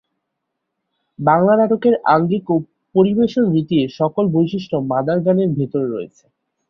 বাংলা নাটকের আঙ্গিক ও পরিবেশন রীতির সকল বৈশিষ্ট্য মাদার গানের ভেতর রয়েছে।